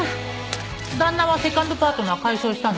旦那はセカンドパートナー解消したの？